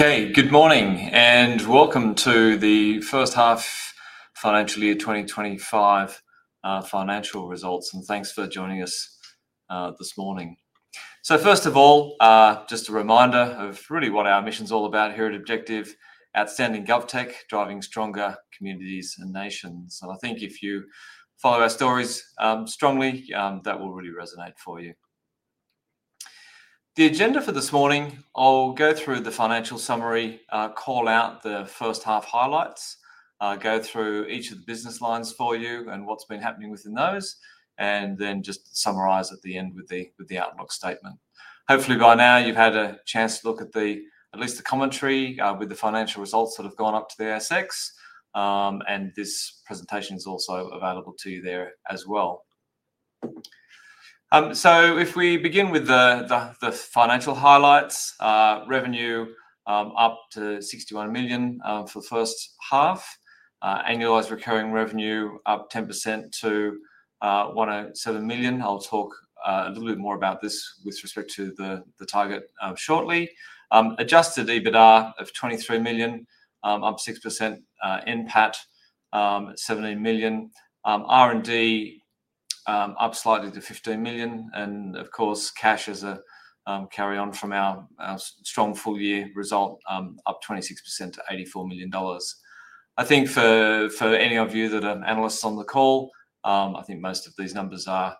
Okay, good morning and welcome to the first half financial year 2025 financial results, and thanks for joining us this morning. So first of all, just a reminder of really what our mission is all about here at Objective: Outstanding GovTech, Driving Stronger Communities and Nations. And I think if you follow our stories strongly, that will really resonate for you. The agenda for this morning, I'll go through the financial summary, call out the first half highlights, go through each of the business lines for you and what's been happening within those, and then just summarise at the end with the outlook statement. Hopefully by now you've had a chance to look at at least the commentary with the financial results that have gone up to the ASX, and this presentation is also available to you there as well. So if we begin with the financial highlights, revenue up to 61 million for the first half, annualized recurring revenue up 10% to 107 million. I'll talk a little bit more about this with respect to the target shortly. Adjusted EBITDA of 23 million, up 6%, NPAT 17 million, R&D up slightly to 15 million, and of course cash as a carry-on from our strong full year result, up 26% to 84 million dollars. I think for any of you that are analysts on the call, I think most of these numbers are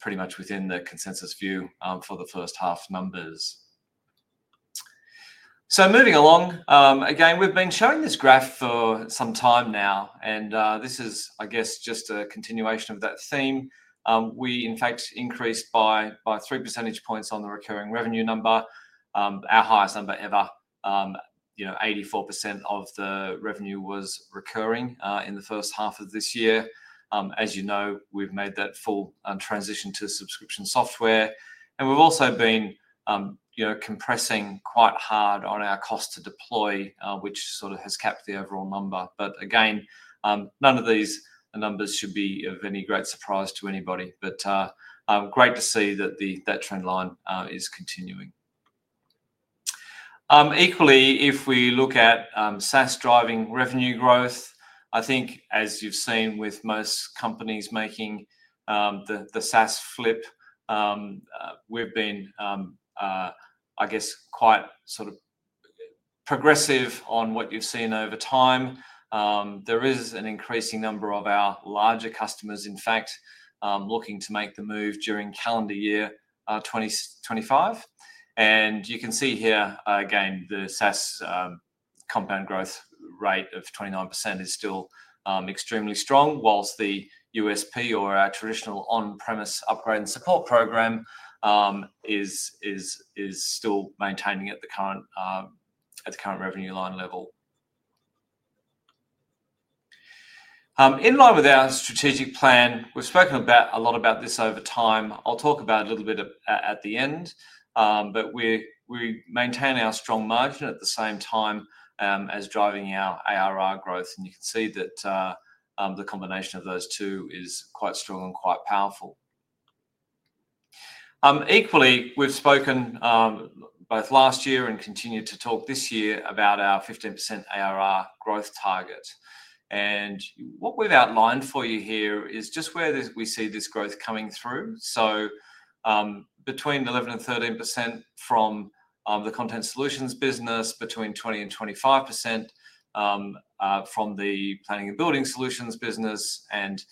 pretty much within the consensus view for the first half numbers. So moving along, again, we've been showing this graph for some time now, and this is, I guess, just a continuation of that theme. We in fact increased by 3% points on the recurring revenue number, our highest number ever, 84% of the revenue was recurring in the first half of this year. As you know, we've made that full transition to subscription software, and we've also been compressing quite hard on our cost to deploy, which sort of has capped the overall number. But again, none of these numbers should be of any great surprise to anybody, but great to see that that trend line is continuing. Equally, if we look at SaaS driving revenue growth, I think as you've seen with most companies making the SaaS flip, we've been, I guess, quite sort of progressive on what you've seen over time. There is an increasing number of our larger customers, in fact, looking to make the move during calendar year 2025. You can see here again, the SaaS compound growth rate of 29% is still extremely strong, while the USP or our traditional on-premise upgrade and support program is still maintaining at the current revenue line level. In line with our strategic plan, we've spoken a lot about this over time. I'll talk about it a little bit at the end, but we maintain our strong margin at the same time as driving our ARR growth, and you can see that the combination of those two is quite strong and quite powerful. Equally, we've spoken both last year and continue to talk this year about our 15% ARR growth target. What we've outlined for you here is just where we see this growth coming through. Between 11% and 13% from the Content Solutions business, between 20% and 25% from the Planning and Building Solutions business, and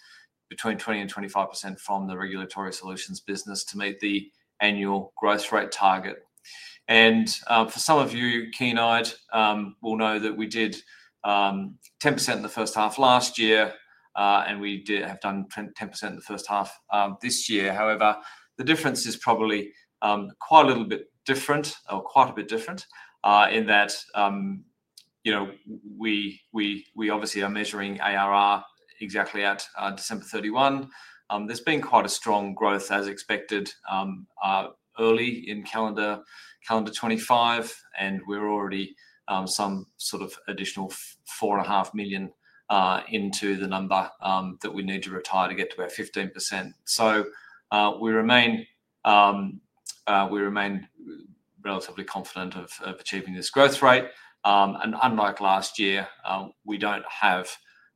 between 20% and 25% from the Regulatory Solutions business to meet the annual growth rate target. For some of you keen-eyed will know that we did 10% in the first half last year, and we have done 10% in the first half this year. However, the difference is probably quite a little bit different or quite a bit different in that we obviously are measuring ARR exactly at December 31. There has been quite a strong growth as expected early in calendar 2025, and we are already some sort of additional 4.5 million into the number that we need to retire to get to our 15%. So we remain relatively confident of achieving this growth rate, and unlike last year, we don't have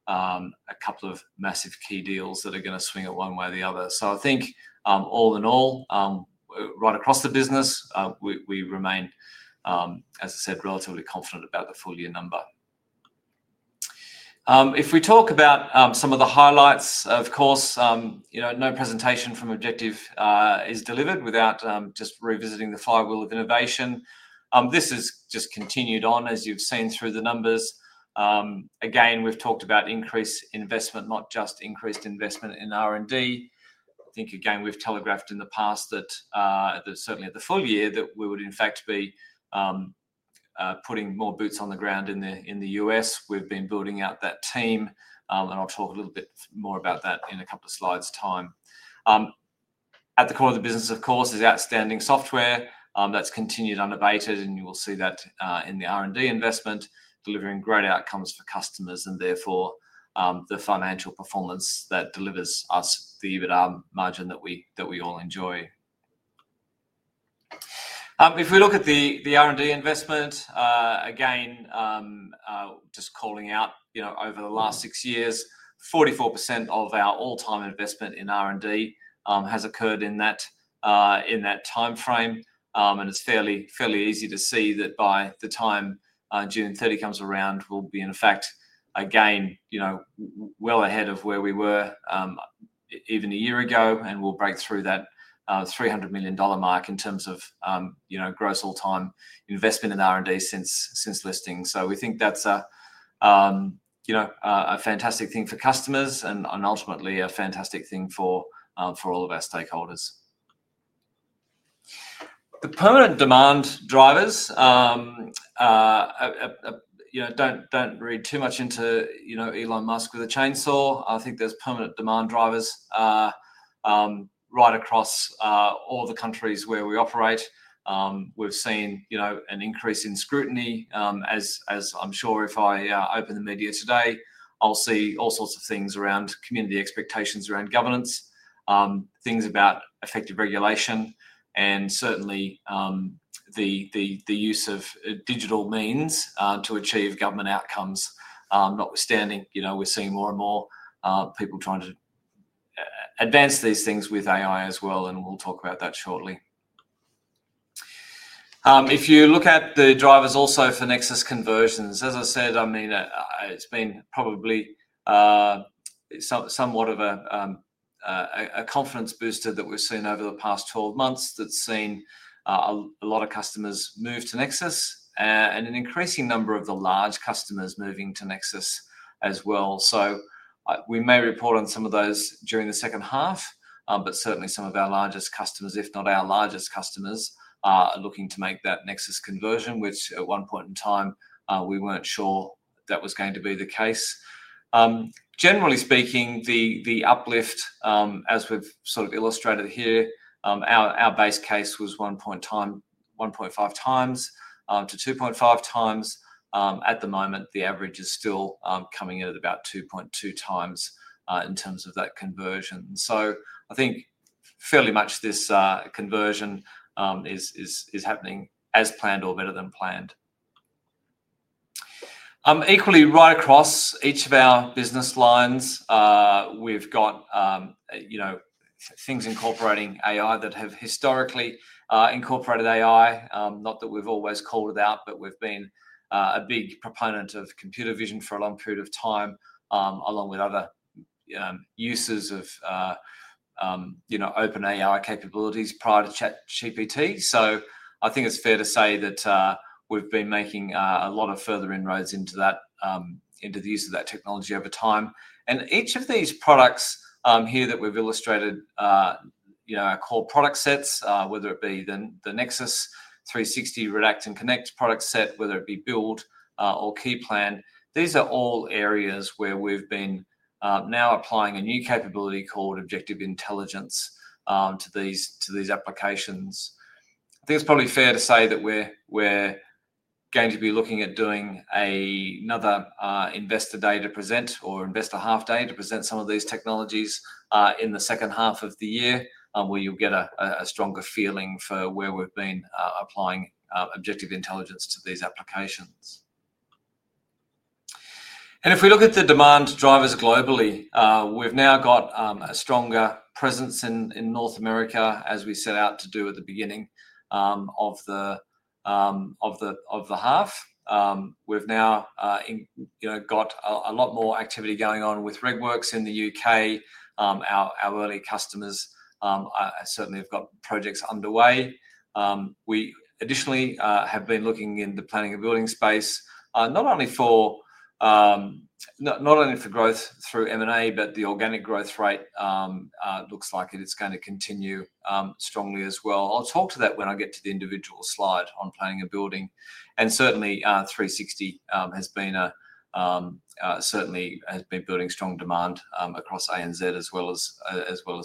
a couple of massive key deals that are going to swing it one way or the other. So I think all in all, right across the business, we remain, as I said, relatively confident about the full year number. If we talk about some of the highlights, of course, no presentation from Objective is delivered without just revisiting the firewall of innovation. This has just continued on, as you've seen through the numbers. Again, we've talked about increased investment, not just increased investment in R&D. I think again, we've telegraphed in the past that certainly at the full year that we would in fact be putting more boots on the ground in the U.S. We've been building out that team, and I'll talk a little bit more about that in a couple of slides' time. At the core of the business, of course, is outstanding software that's continued unabated, and you will see that in the R&D investment, delivering great outcomes for customers and therefore the financial performance that delivers us the EBITDA margin that we all enjoy. If we look at the R&D investment, again, just calling out over the last six years, 44% of our all-time investment in R&D has occurred in that timeframe, and it's fairly easy to see that by the time June 30 comes around, we'll be in fact again well ahead of where we were even a year ago, and we'll break through that 300 million dollar mark in terms of gross all-time investment in R&D since listing. So we think that's a fantastic thing for customers and ultimately a fantastic thing for all of our stakeholders. The permanent demand drivers. Don't read too much into Elon Musk with a chainsaw. I think there's permanent demand drivers right across all the countries where we operate. We've seen an increase in scrutiny, as I'm sure if I open the media today, I'll see all sorts of things around community expectations around governance, things about effective regulation, and certainly the use of digital means to achieve government outcomes. Notwithstanding, we're seeing more and more people trying to advance these things with AI as well, and we'll talk about that shortly. If you look at the drivers also for Nexus conversions, as I said, I mean, it's been probably somewhat of a confidence booster that we've seen over the past 12 months that's seen a lot of customers move to Nexus and an increasing number of the large customers moving to Nexus as well. So we may report on some of those during the second half, but certainly some of our largest customers, if not our largest customers, are looking to make that Nexus conversion, which at one point in time we weren't sure that was going to be the case. Generally speaking, the uplift, as we've sort of illustrated here, our base case was 1.5 times to 2.5 times. At the moment, the average is still coming in at about 2.2 times in terms of that conversion. So I think fairly much this conversion is happening as planned or better than planned. Equally, right across each of our business lines, we've got things incorporating AI that have historically incorporated AI. Not that we've always called it out, but we've been a big proponent of computer vision for a long period of time, along with other uses of OpenAI capabilities prior to ChatGPT. So I think it's fair to say that we've been making a lot of further inroads into the use of that technology over time. And each of these products here that we've illustrated are called product sets, whether it be the Nexus, 360, Redact, and Connect product set, whether it be Build or Keyplan. These are all areas where we've been now applying a new capability called Objective Intelligence to these applications. I think it's probably fair to say that we're going to be looking at doing another investor day to present or investor half day to present some of these technologies in the second half of the year, where you'll get a stronger feeling for where we've been applying Objective Intelligence to these applications. And if we look at the demand drivers globally, we've now got a stronger presence in North America, as we set out to do at the beginning of the half. We've now got a lot more activity going on with RegWorks in the U.K. Our early customers certainly have got projects underway. We additionally have been looking in the planning and building space, not only for growth through M&A, but the organic growth rate looks like it's going to continue strongly as well. I'll talk to that when I get to the individual slide on planning and building. And certainly, 360 has certainly been building strong demand across ANZ as well as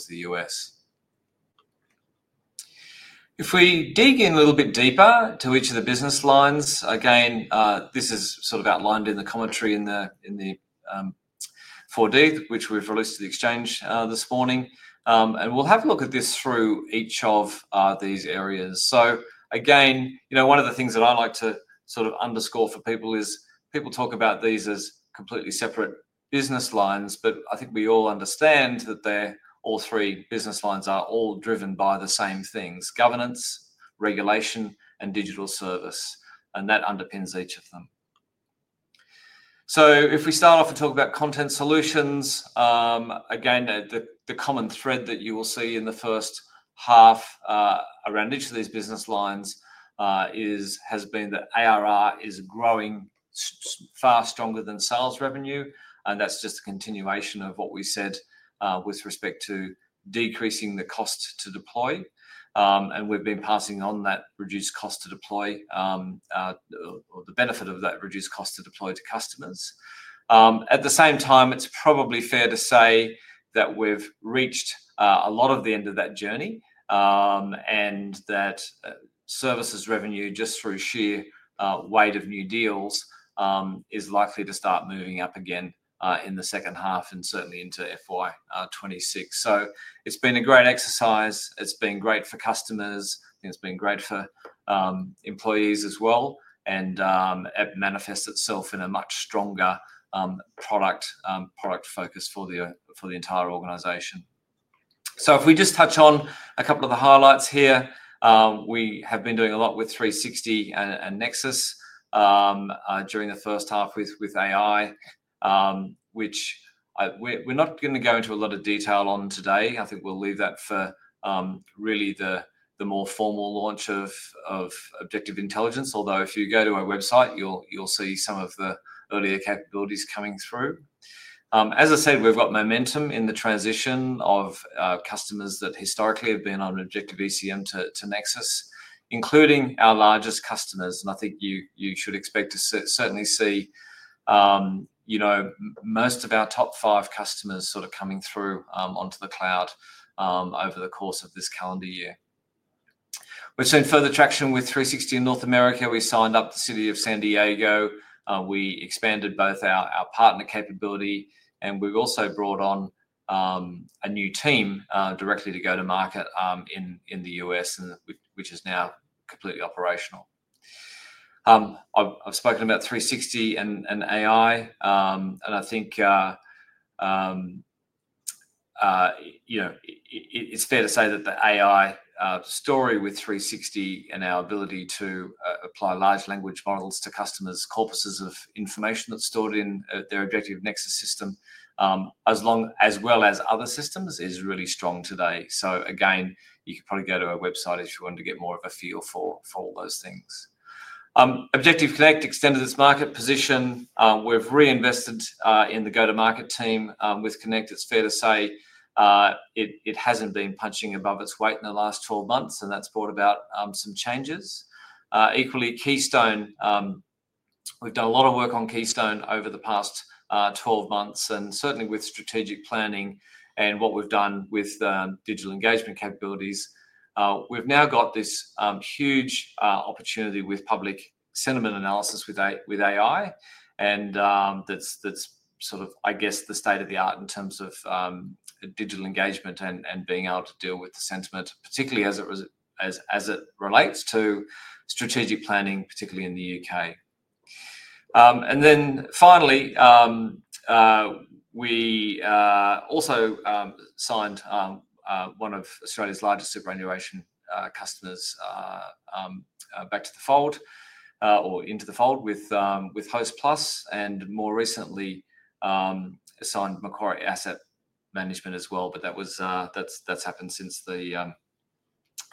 the U.S. If we dig in a little bit deeper to each of the business lines, again, this is sort of outlined in the commentary in the 4D, which we've released to the exchange this morning, and we'll have a look at this through each of these areas. So again, one of the things that I like to sort of underscore for people is people talk about these as completely separate business lines, but I think we all understand that all three business lines are all driven by the same things: governance, regulation, and digital service, and that underpins each of them. So if we start off and talk about Content Solutions, again, the common thread that you will see in the first half around each of these business lines has been that ARR is growing far stronger than sales revenue, and that's just a continuation of what we said with respect to decreasing the cost to deploy. And we've been passing on that reduced cost to deploy or the benefit of that reduced cost to deploy to customers. At the same time, it's probably fair to say that we've reached a lot of the end of that journey and that services revenue just through sheer weight of new deals is likely to start moving up again in the second half and certainly into FY26. So it's been a great exercise. It's been great for customers. It's been great for employees as well, and it manifests itself in a much stronger product focus for the entire organization. So if we just touch on a couple of the highlights here, we have been doing a lot with 360 and Nexus during the first half with AI, which we're not going to go into a lot of detail on today. I think we'll leave that for really the more formal launch of Objective Intelligence, although if you go to our website, you'll see some of the earlier capabilities coming through. As I said, we've got momentum in the transition of customers that historically have been on Objective ECM to Nexus, including our largest customers. And I think you should expect to certainly see most of our top five customers sort of coming through onto the cloud over the course of this calendar year. We've seen further traction with 360 in North America. We signed up the City of San Diego. We expanded both our partner capability, and we've also brought on a new team directly to go to market in the US, which is now completely operational. I've spoken about 360 and AI, and I think it's fair to say that the AI story with 360 and our ability to apply large language models to customer corpuses of information that's stored in their Objective Nexus system, as well as other systems, is really strong today. So again, you could probably go to our website if you want to get more of a feel for all those things. Objective Connect extended its market position. We've reinvested in the go-to-market team with Connect. It's fair to say it hasn't been punching above its weight in the last 12 months, and that's brought about some changes. Equally, Keystone, we've done a lot of work on Keystone over the past 12 months, and certainly with strategic planning and what we've done with digital engagement capabilities, we've now got this huge opportunity with public sentiment analysis with AI, and that's sort of, I guess, the state of the art in terms of digital engagement and being able to deal with the sentiment, particularly as it relates to strategic planning, particularly in the U.K. And then finally, we also signed one of Australia's largest superannuation customers back to the fold or into the fold with Hostplus and more recently signed Macquarie Asset Management as well, but that's happened since the end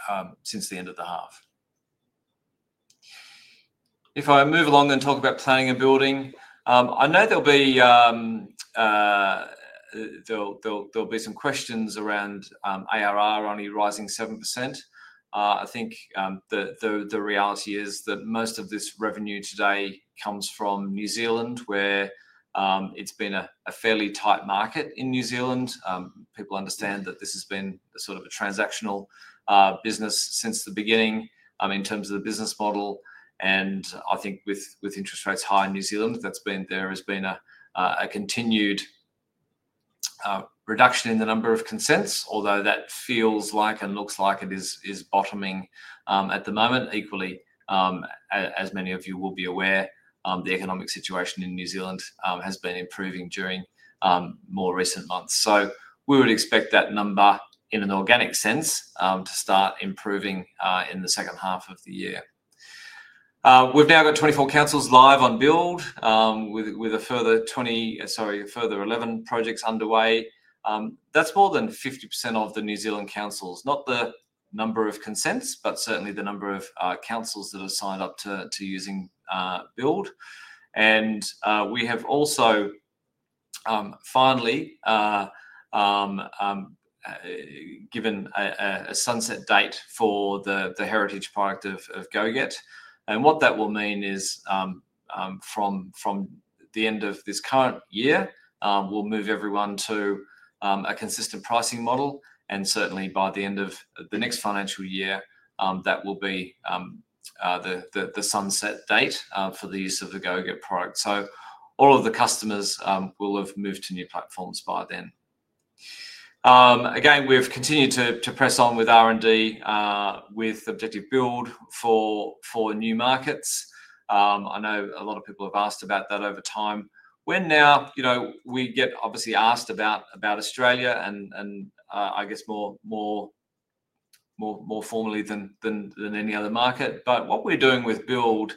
of the half. If I move along and talk about planning and building, I know there'll be some questions around ARR only rising 7%. I think the reality is that most of this revenue today comes from New Zealand, where it's been a fairly tight market in New Zealand. People understand that this has been sort of a transactional business since the beginning in terms of the business model. And I think with interest rates high in New Zealand, there has been a continued reduction in the number of consents, although that feels like and looks like it is bottoming at the moment. Equally, as many of you will be aware, the economic situation in New Zealand has been improving during more recent months. So we would expect that number in an organic sense to start improving in the second half of the year. We've now got 24 councils live on Build with a further 11 projects underway. That's more than 50% of the New Zealand councils, not the number of consents, but certainly the number of councils that are signed up to using Build. And we have also finally given a sunset date for the heritage product of GoGet. And what that will mean is from the end of this current year, we'll move everyone to a consistent pricing model. And certainly, by the end of the next financial year, that will be the sunset date for the use of the GoGet product. So all of the customers will have moved to new platforms by then. Again, we've continued to press on with R&D with Objective Build for new markets. I know a lot of people have asked about that over time. We now get obviously asked about Australia and I guess more formally than any other market, but what we're doing with Build,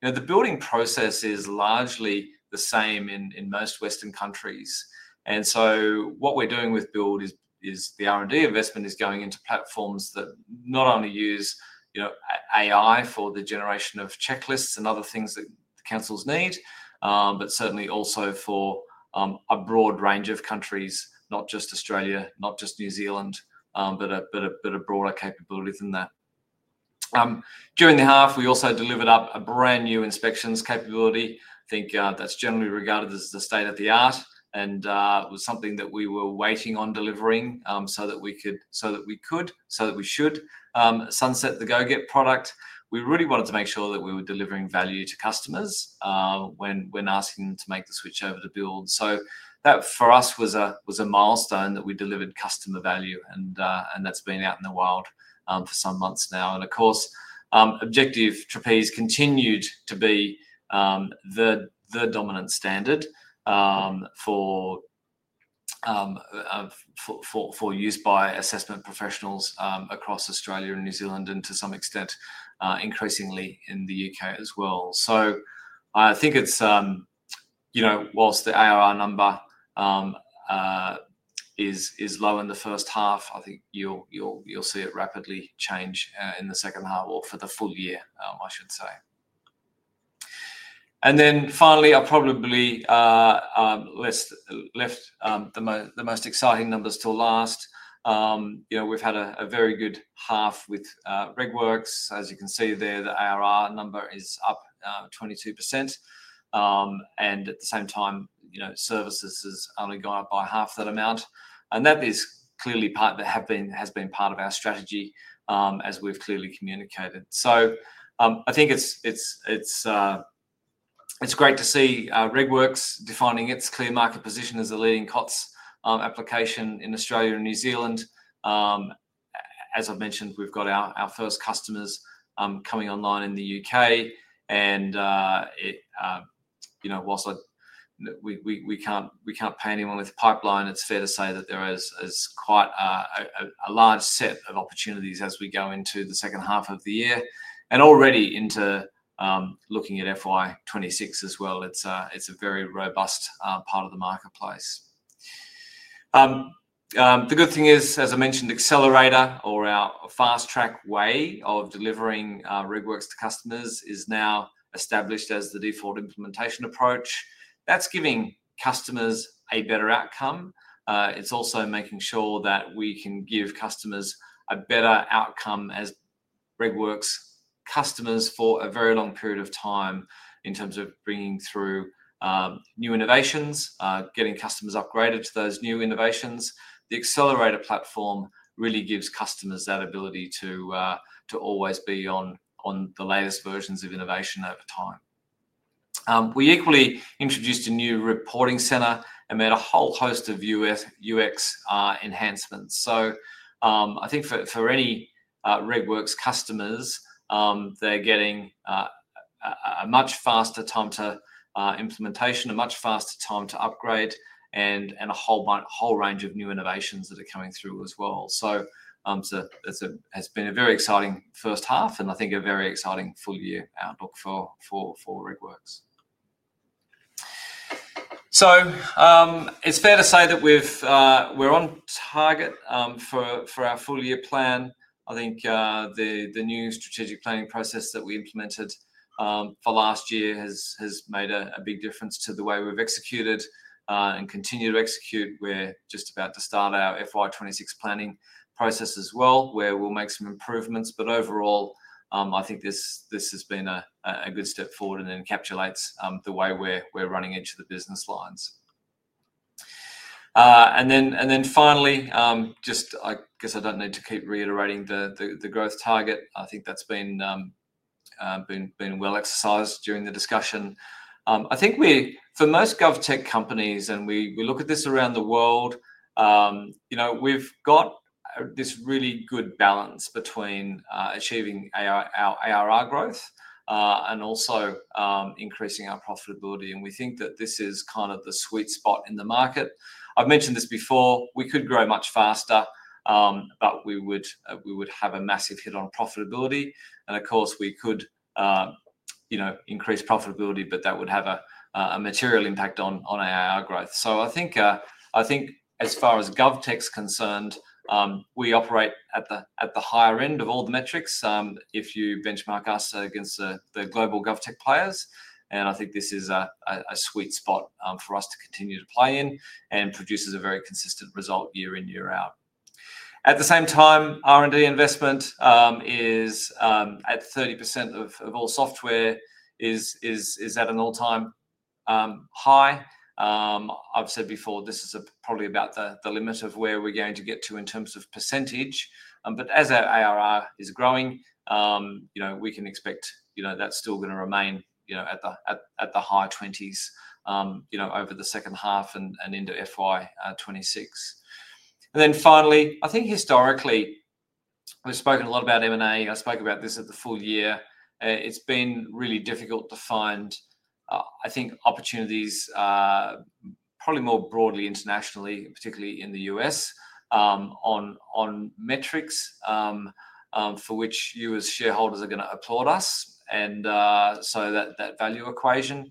the building process is largely the same in most Western countries. And so what we're doing with Build is the R&D investment is going into platforms that not only use AI for the generation of checklists and other things that councils need, but certainly also for a broad range of countries, not just Australia, not just New Zealand, but a broader capability than that. During the half, we also delivered a brand new inspections capability. I think that's generally regarded as the state of the art, and it was something that we were waiting on delivering so that we could, so that we should sunset the GoGet product. We really wanted to make sure that we were delivering value to customers when asking them to make the switch over to Build. So that for us was a milestone that we delivered customer value, and that's been out in the wild for some months now. And of course, Objective Trapeze continued to be the dominant standard for use by assessment professionals across Australia and New Zealand and to some extent increasingly in the U.K. as well. So I think whilst the ARR number is low in the first half, I think you'll see it rapidly change in the second half or for the full year, I should say. And then finally, I probably left the most exciting numbers till last. We've had a very good half with RegWorks. As you can see there, the ARR number is up 22%. And at the same time, services has only gone up by half that amount. And that is clearly part that has been part of our strategy as we've clearly communicated. So I think it's great to see RegWorks defining its clear market position as a leading COTS application in Australia and New Zealand. As I've mentioned, we've got our first customers coming online in the U.K. And whilst we can't pay anyone with pipeline, it's fair to say that there is quite a large set of opportunities as we go into the second half of the year. And already into looking at FY26 as well, it's a very robust part of the marketplace. The good thing is, as I mentioned, Accelerator or our fast track way of delivering RegWorks to customers is now established as the default implementation approach. That's giving customers a better outcome. It's also making sure that we can give customers a better outcome as RegWorks customers for a very long period of time in terms of bringing through new innovations, getting customers upgraded to those new innovations. The Accelerator platform really gives customers that ability to always be on the latest versions of innovation over time. We equally introduced a new reporting center and made a whole host of UX enhancements. So I think for any RegWorks customers, they're getting a much faster time to implementation, a much faster time to upgrade, and a whole range of new innovations that are coming through as well. So it has been a very exciting first half, and I think a very exciting full year outlook for RegWorks. So it's fair to say that we're on target for our full year plan. I think the new strategic planning process that we implemented for last year has made a big difference to the way we've executed and continue to execute. We're just about to start our FY26 planning process as well, where we'll make some improvements. But overall, I think this has been a good step forward and encapsulates the way we're running each of the business lines. And then finally, just I guess I don't need to keep reiterating the growth target. I think that's been well exercised during the discussion. I think for most GovTech companies, and we look at this around the world, we've got this really good balance between achieving our ARR growth and also increasing our profitability. And we think that this is kind of the sweet spot in the market. I've mentioned this before. We could grow much faster, but we would have a massive hit on profitability. And of course, we could increase profitability, but that would have a material impact on our growth. So I think as far as GovTech's concerned, we operate at the higher end of all the metrics if you benchmark us against the global GovTech players. And I think this is a sweet spot for us to continue to play in and produces a very consistent result year in, year out. At the same time, R&D investment is at 30% of all software is at an all-time high. I've said before this is probably about the limit of where we're going to get to in terms of percentage. But as our ARR is growing, we can expect that's still going to remain at the high 20s over the second half and into FY26. And then finally, I think historically, we've spoken a lot about M&A. I spoke about this at the full year. It's been really difficult to find, I think, opportunities probably more broadly internationally, particularly in the U.S., on metrics for which you as shareholders are going to applaud us. And so that value equation,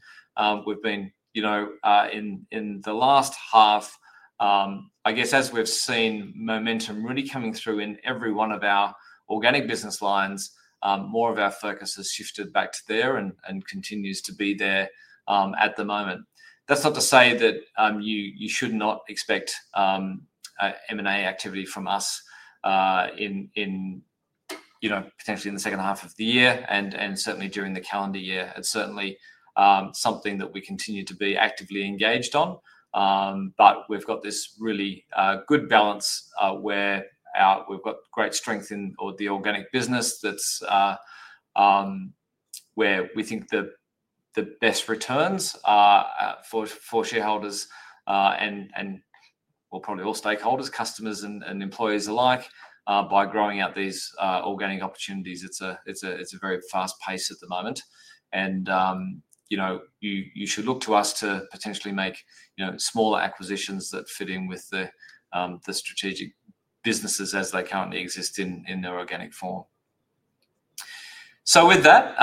we've been in the last half, I guess, as we've seen momentum really coming through in every one of our organic business lines, more of our focus has shifted back to there and continues to be there at the moment. That's not to say that you should not expect M&A activity from us potentially in the second half of the year and certainly during the calendar year. It's certainly something that we continue to be actively engaged on. But we've got this really good balance where we've got great strength in the organic business. That's where we think the best returns for shareholders and, well, probably all stakeholders, customers, and employees alike by growing out these organic opportunities. It's a very fast pace at the moment. And you should look to us to potentially make smaller acquisitions that fit in with the strategic businesses as they currently exist in their organic form. So with that,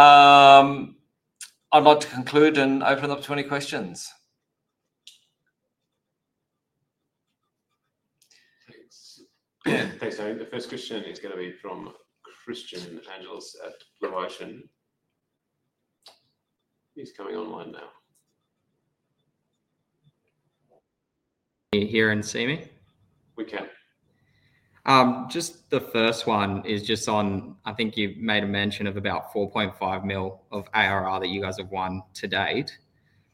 I'd like to conclude and open up to any questions. Thanks, Tony. The first question is going to be from Christian Andjelic at Blue Ocean Equities. He's coming online now. Here and see me? We can. Just the first one is just on. I think you've made a mention of about 4.5 million of ARR that you guys have won to date.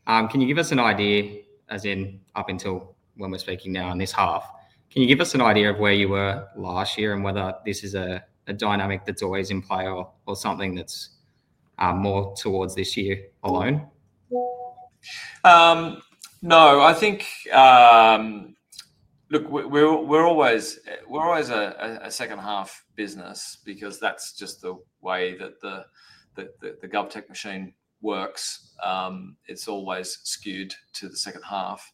Can you give us an idea, as in up until when we're speaking now in this half, can you give us an idea of where you were last year and whether this is a dynamic that's always in play or something that's more towards this year alone? No. I think, look, we're always a second half business because that's just the way that the GovTech machine works. It's always skewed to the second half.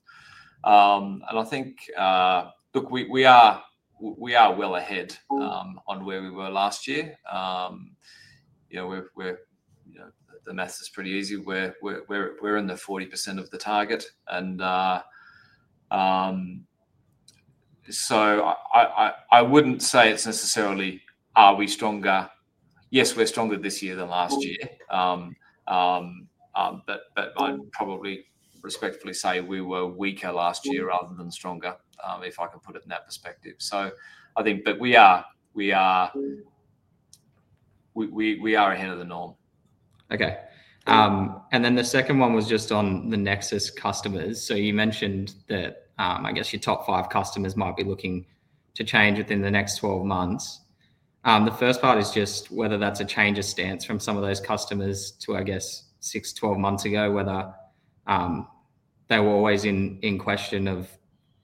And I think, look, we are well ahead on where we were last year. The math is pretty easy. We're in the 40% of the target. And so I wouldn't say it's necessarily, are we stronger? Yes, we're stronger this year than last year. But I'd probably respectfully say we were weaker last year rather than stronger, if I can put it in that perspective. So I think, but we are ahead of the norm. Okay. And then the second one was just on the Nexus customers. So you mentioned that I guess your top five customers might be looking to change within the next 12 months. The first part is just whether that's a change of stance from some of those customers to, I guess, six, 12 months ago, whether they were always in question of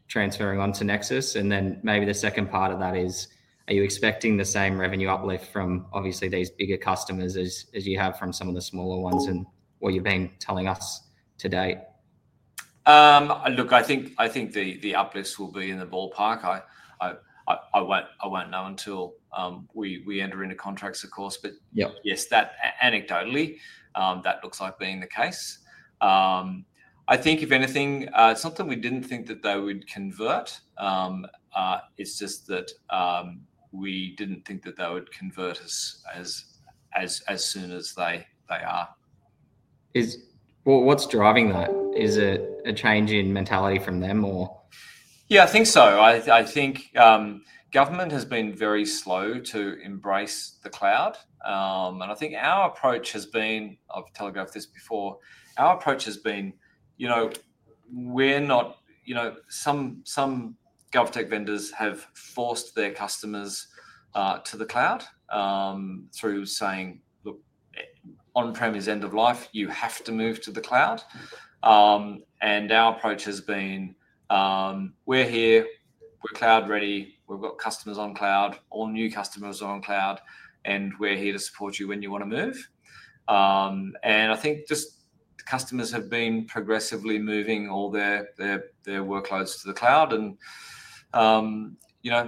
transferring on to Nexus. And then maybe the second part of that is, are you expecting the same revenue uplift from obviously these bigger customers as you have from some of the smaller ones and what you've been telling us to date? Look, I think the uplift will be in the ballpark. I won't know until we enter into contracts, of course. But yes, anecdotally, that looks like being the case. I think, if anything, it's not that we didn't think that they would convert. It's just that we didn't think that they would convert as soon as they are. What's driving that? Is it a change in mentality from them or? Yeah, I think so. I think government has been very slow to embrace the cloud. And I think our approach has been. I've telegraphed this before. Our approach has been we're not. Some GovTech vendors have forced their customers to the cloud through saying, "Look, on-prem is end of life. You have to move to the cloud." And our approach has been, "We're here. We're cloud ready. We've got customers on cloud. All new customers are on cloud. And we're here to support you when you want to move." And I think just customers have been progressively moving all their workloads to the cloud. And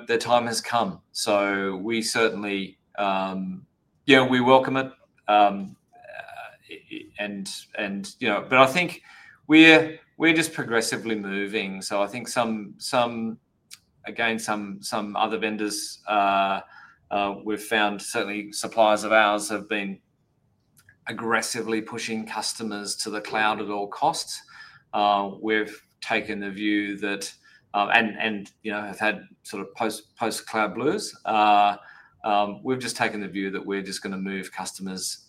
their time has come. So we certainly. Yeah, we welcome it. But I think we're just progressively moving. So I think, again, some other vendors we've found, certainly suppliers of ours, have been aggressively pushing customers to the cloud at all costs. We've taken the view that, and have had sort of post-cloud blues, we've just taken the view that we're just going to move customers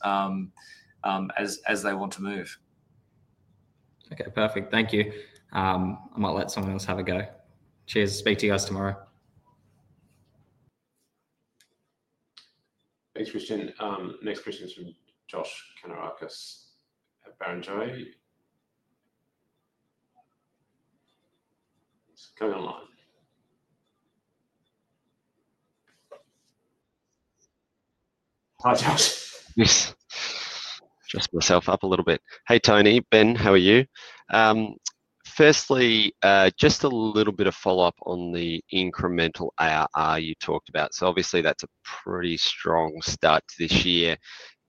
as they want to move. Okay. Perfect. Thank you. I might let someone else have a go. Cheers. Speak to you guys tomorrow. Thanks, Christian. Next question is from Josh Kannourakis at Barrenjoey. He's coming online. Hi, Josh. Yes. Just mic myself up a little bit. Hey, Tony. Ben, how are you? Firstly, just a little bit of follow-up on the incremental ARR you talked about. So obviously, that's a pretty strong start to this year.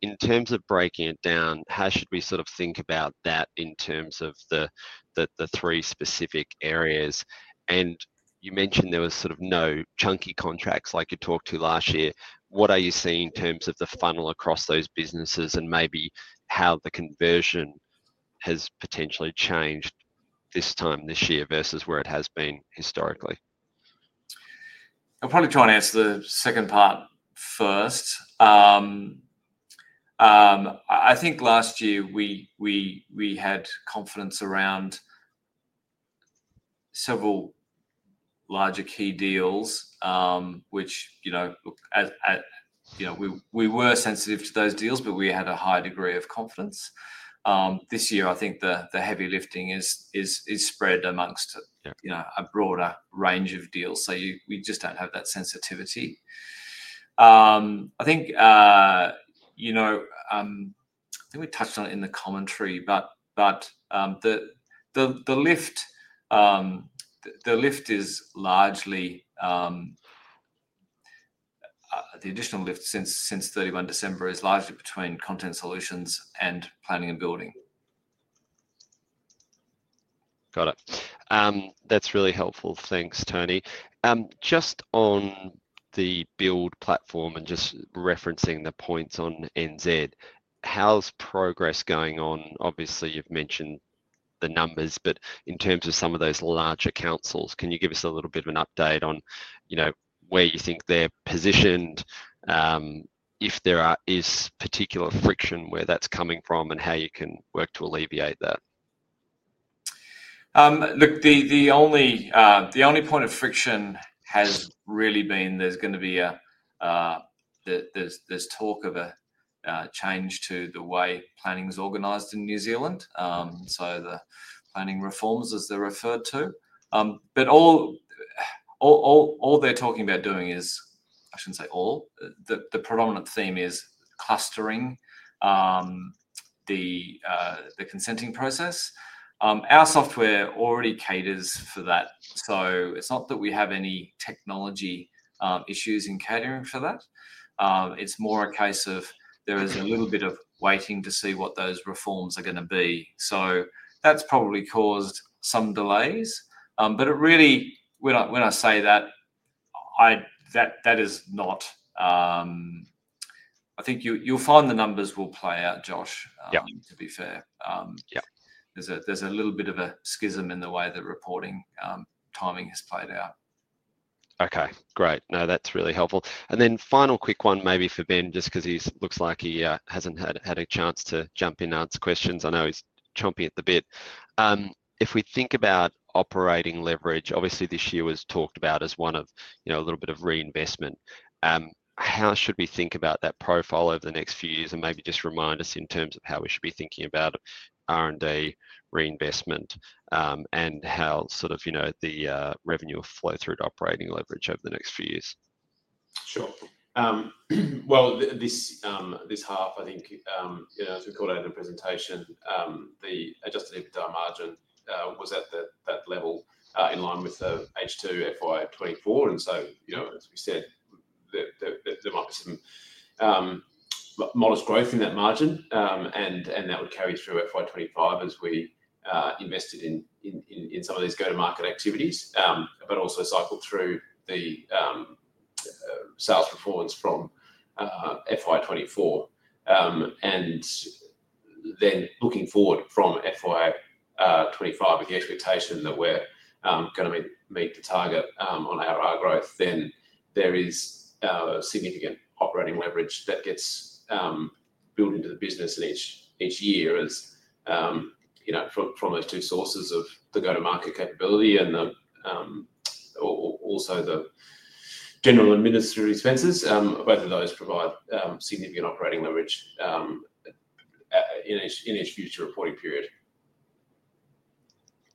In terms of breaking it down, how should we sort of think about that in terms of the three specific areas? And you mentioned there were sort of no chunky contracts like you talked about last year. What are you seeing in terms of the funnel across those businesses and maybe how the conversion has potentially changed this time this year versus where it has been historically? I'll probably try and answer the second part first. I think last year, we had confidence around several larger key deals, which, look, we were sensitive to those deals, but we had a high degree of confidence. This year, I think the heavy lifting is spread among a broader range of deals. So we just don't have that sensitivity. I think we touched on it in the commentary, but the lift is largely, the additional lift since 31 December is largely between Content Solutions and Planning and Building. Got it. That's really helpful. Thanks, Tony. Just on the build platform and just referencing the points on NZ, how's progress going on? Obviously, you've mentioned the numbers, but in terms of some of those larger councils, can you give us a little bit of an update on where you think they're positioned, if there is particular friction where that's coming from, and how you can work to alleviate that? Look, the only point of friction has really been. There's talk of a change to the way planning is organized in New Zealand. So the planning reforms, as they're referred to. But all they're talking about doing. I shouldn't say all. The predominant theme is clustering the consenting process. Our software already caters for that. So it's not that we have any technology issues in catering for that. It's more a case of there is a little bit of waiting to see what those reforms are going to be. So that's probably caused some delays. But really, when I say that, that is not. I think you'll find the numbers will play out, Josh, to be fair. There's a little bit of a schism in the way the reporting timing has played out. Okay. Great. No, that's really helpful. And then final quick one maybe for Ben, just because he looks like he hasn't had a chance to jump in and answer questions. I know he's chomping at the bit. If we think about operating leverage, obviously this year was talked about as one of a little bit of reinvestment. How should we think about that profile over the next few years and maybe just remind us in terms of how we should be thinking about R&D reinvestment and how sort of the revenue will flow through to operating leverage over the next few years? Sure. Well, this half, I think, as we called out in the presentation, the adjusted EBITDA margin was at that level in line with the H2 FY24. And so, as we said, there might be some modest growth in that margin. And that would carry through FY25 as we invested in some of these go-to-market activities, but also cycled through the sales performance from FY24. And then looking forward from FY25, with the expectation that we're going to meet the target on our growth, then there is significant operating leverage that gets built into the business each year from those two sources of the go-to-market capability and also the general administrative expenses. Both of those provide significant operating leverage in each future reporting period.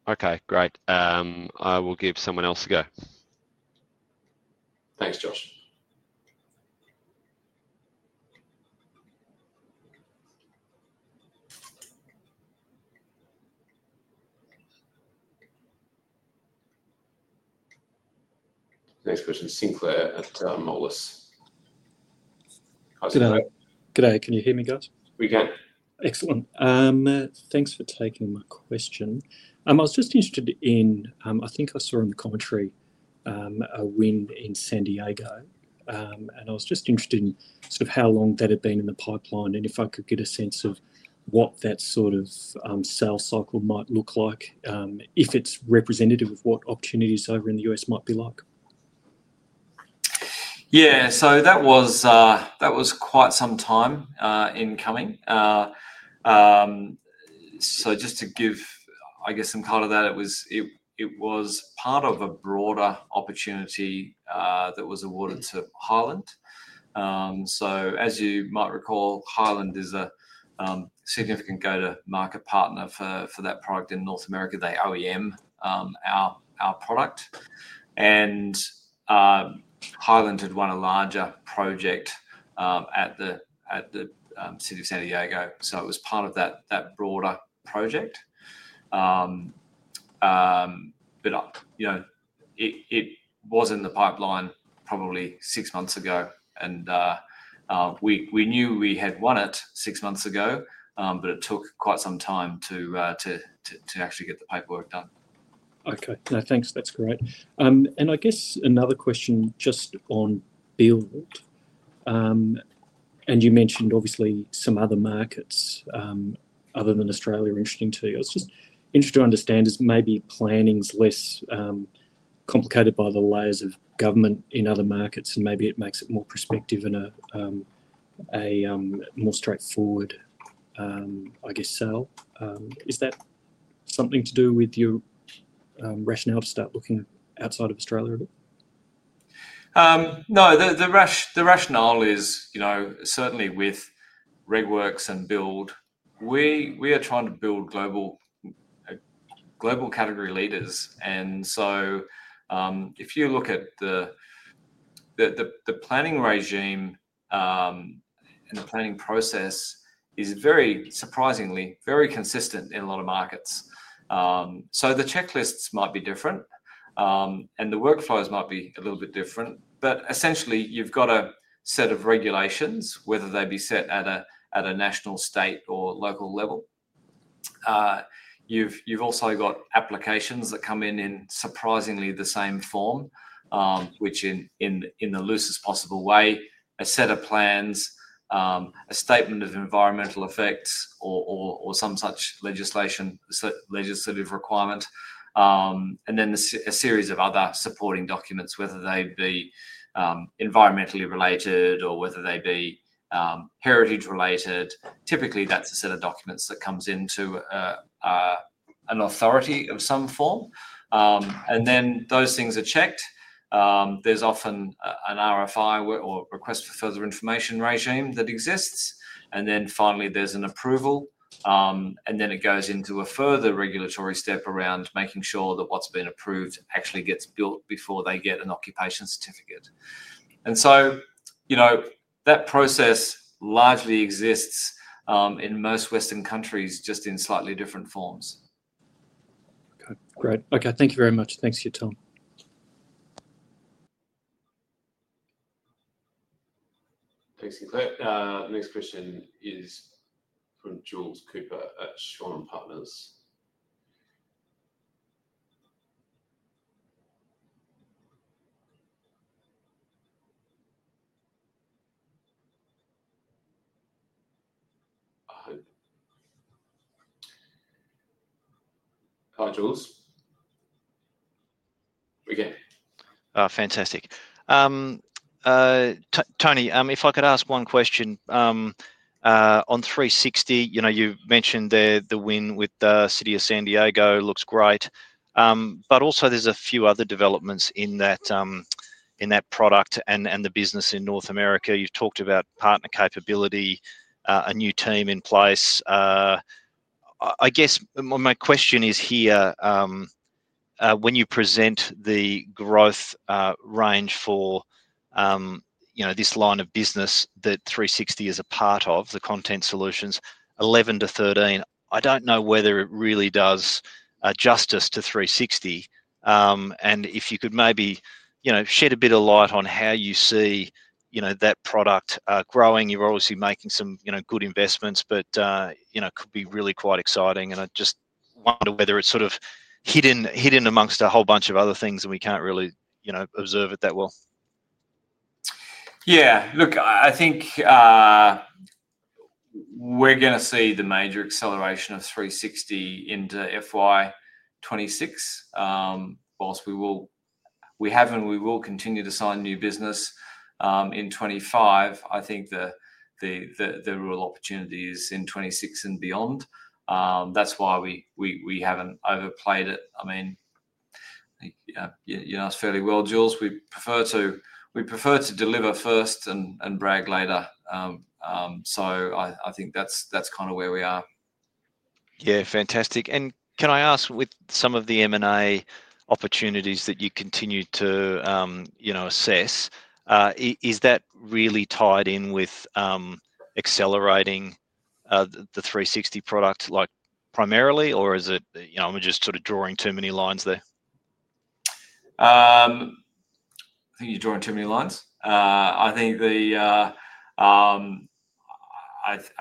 Okay. Great. I will give someone else a go. Thanks, Josh. Next question, Sinclair at Moelis. Good day. Can you hear me, guys? We can. Excellent. Thanks for taking my question. I was just interested in, I think I saw in the commentary a win in San Diego. And I was just interested in sort of how long that had been in the pipeline and if I could get a sense of what that sort of sales cycle might look like if it's representative of what opportunities over in the U.S. might be like. Yeah. That was quite some time incoming. Just to give, I guess, some color to that, it was part of a broader opportunity that was awarded to Hyland. As you might recall, Hyland is a significant go-to-market partner for that product in North America. They OEM our product. Hyland had won a larger project at the City of San Diego. It was part of that broader project. It was in the pipeline probably six months ago. We knew we had won it six months ago, but it took quite some time to actually get the paperwork done. Okay. No, thanks. That's great. And I guess another question just on build. And you mentioned, obviously, some other markets other than Australia are interesting to you. It's just interesting to understand is maybe planning's less complicated by the layers of government in other markets, and maybe it makes it more prospective and a more straightforward, I guess, sale. Is that something to do with your rationale to start looking outside of Australia a bit? No. The rationale is certainly with RegWorks and Build, we are trying to build global category leaders, and so if you look at the planning regime and the planning process, it is very surprisingly very consistent in a lot of markets, so the checklists might be different, and the workflows might be a little bit different, but essentially, you've got a set of regulations, whether they be set at a national, state, or local level. You've also got applications that come in in surprisingly the same form, which in the loosest possible way, a set of plans, a statement of environmental effects, or some such legislative requirement, and then a series of other supporting documents, whether they be environmentally related or whether they be heritage-related. Typically, that's a set of documents that comes into an authority of some form, and then those things are checked. There's often an RFI or request for further information regime that exists. And then finally, there's an approval. And then it goes into a further regulatory step around making sure that what's been approved actually gets built before they get an occupation certificate. And so that process largely exists in most Western countries, just in slightly different forms. Okay. Great. Okay. Thank you very much. Thanks for your time. Thanks, Sinclair. Next question is from Jules Cooper at Shaw and Partners. Hi. Hi, Jules. We can. Fantastic. Tony, if I could ask one question. On 360, you mentioned the win with the City of San Diego looks great. But also, there's a few other developments in that product and the business in North America. You've talked about partner capability, a new team in place. I guess my question is here, when you present the growth range for this line of business that 360 is a part of, the Content Solutions, 11-13, I don't know whether it really does justice to 360. And if you could maybe shed a bit of light on how you see that product growing. You're obviously making some good investments, but it could be really quite exciting. And I just wonder whether it's sort of hidden amongst a whole bunch of other things and we can't really observe it that well. Yeah. Look, I think we're going to see the major acceleration of 360 into FY26. Whilst we haven't, we will continue to sign new business. In 2025, I think the real opportunity is in 2026 and beyond. That's why we haven't overplayed it. I mean, you asked fairly well, Jules. We prefer to deliver first and brag later. So I think that's kind of where we are. Yeah. Fantastic. And can I ask, with some of the M&A opportunities that you continue to assess, is that really tied in with accelerating the 360 product primarily, or is it, I'm just sort of drawing too many lines there? I think you're drawing too many lines. I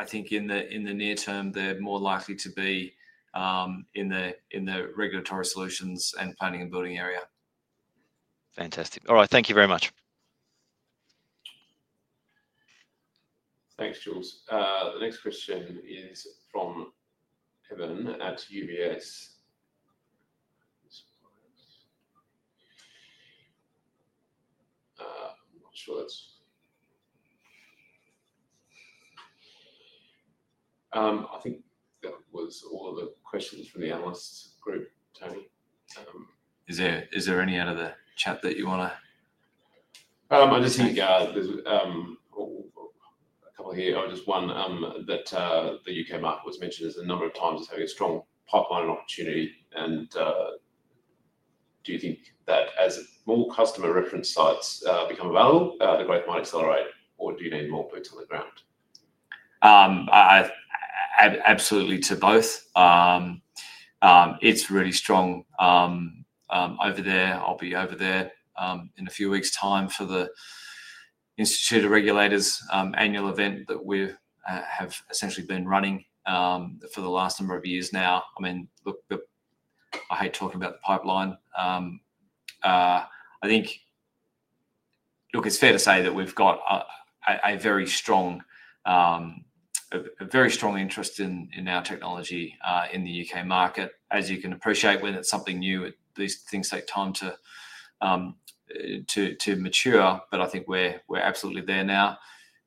think in the near term, they're more likely to be in the regulatory solutions and planning and building area. Fantastic. All right. Thank you very much. Thanks, Jules. The next question is from Evan at UBS. I'm not sure. I think that was all of the questions from the analyst group, Tony. Is there any out of the chat that you want to? I just think there's a couple here. Just one, that the U.K. market was mentioned a number of times as having a strong pipeline opportunity, and do you think that as more customer reference sites become available, the growth might accelerate, or do you need more boots on the ground? Absolutely to both. It's really strong over there. I'll be over there in a few weeks' time for the Institute of Regulation annual event that we have essentially been running for the last number of years now. I mean, look, I hate talking about the pipeline. I think, look, it's fair to say that we've got a very strong interest in our technology in the U.K. market. As you can appreciate, when it's something new, these things take time to mature. But I think we're absolutely there now.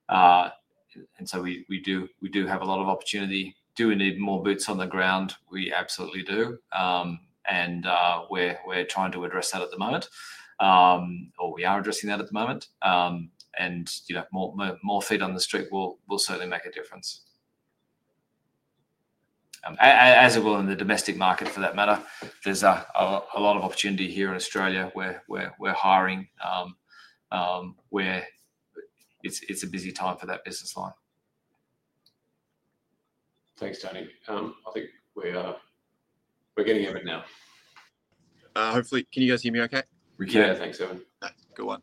And so we do have a lot of opportunity. Do we need more boots on the ground? We absolutely do. And we're trying to address that at the moment, or we are addressing that at the moment. And more feet on the street will certainly make a difference. As it will in the domestic market, for that matter. There's a lot of opportunity here in Australia where we're hiring, where it's a busy time for that business line. Thanks, Tony. I think we're getting it now. Hopefully. Can you guys hear me okay? We can. Yeah. Thanks, Evan. Good one.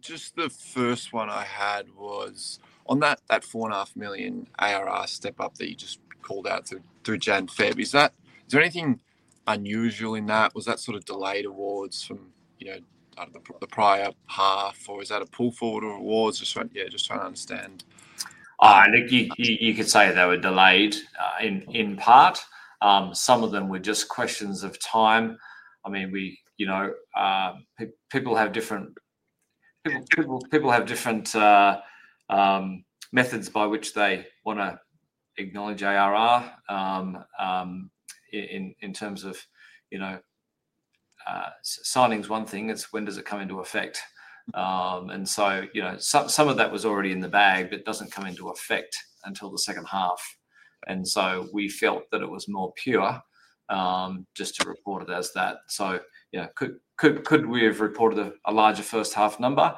Just the first one I had was on that 4.5 million ARR step-up that you just called out through Ben Treg. Is there anything unusual in that? Was that sort of delayed awards from the prior half, or is that a pull forward of awards? Just trying to understand. I think you could say they were delayed in part. Some of them were just questions of time. I mean, people have different methods by which they want to acknowledge ARR in terms of signings. One thing is, when does it come into effect, and so some of that was already in the bag, but it doesn't come into effect until the second half, and so we felt that it was more pure just to report it as that, so could we have reported a larger first half number?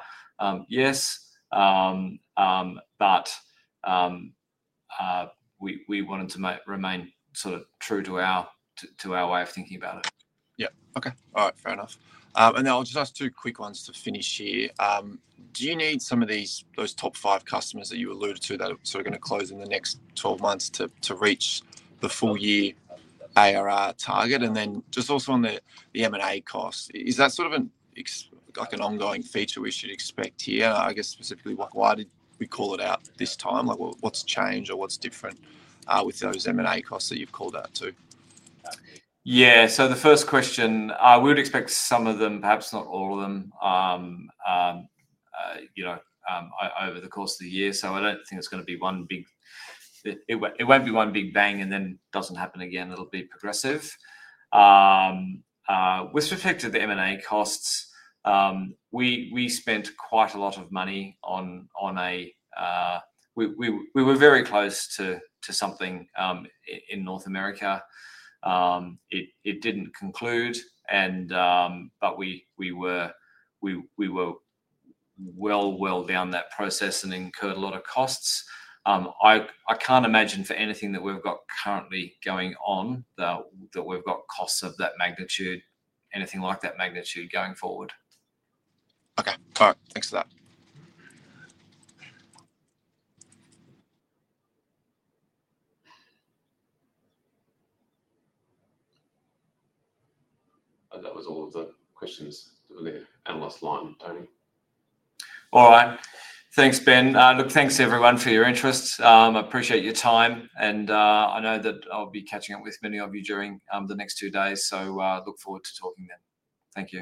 Yes, but we wanted to remain sort of true to our way of thinking about it. Yeah. Okay. All right. Fair enough. And then I'll just ask two quick ones to finish here. Do you need some of those top five customers that you alluded to that are sort of going to close in the next 12 months to reach the full-year ARR target? And then just also on the M&A cost, is that sort of an ongoing feature we should expect here? I guess specifically, why did we call it out this time? What's changed or what's different with those M&A costs that you've called out to? Yeah. So the first question, I would expect some of them, perhaps not all of them, over the course of the year. So I don't think it's going to be one big, it won't be one big bang, and then it doesn't happen again. It'll be progressive. With respect to the M&A costs, we spent quite a lot of money on a, we were very close to something in North America. It didn't conclude, but we were well, well down that process and incurred a lot of costs. I can't imagine for anything that we've got currently going on that we've got costs of that magnitude, anything like that magnitude going forward. Okay. All right. Thanks for that. That was all of the questions on the analyst line, Tony. All right. Thanks, Ben. Look, thanks everyone for your interest. I appreciate your time, and I know that I'll be catching up with many of you during the next two days, so look forward to talking then. Thank you.